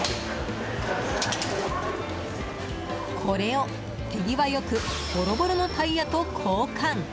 これを手際よくボロボロのタイヤと交換。